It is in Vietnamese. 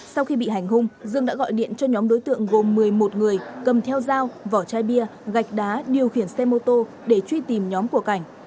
sau khi bị hành hung dương đã gọi điện cho nhóm đối tượng gồm một mươi một người cầm theo dao vỏ chai bia gạch đá điều khiển xe mô tô để truy tìm nhóm của cảnh